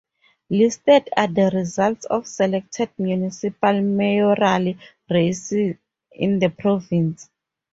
Listed are the results of selected municipal mayoral races in the province.